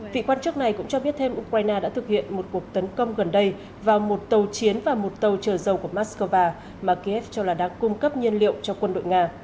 vị quan chức này cũng cho biết thêm ukraine đã thực hiện một cuộc tấn công gần đây vào một tàu chiến và một tàu chở dầu của moscow mà kiev cho là đang cung cấp nhiên liệu cho quân đội nga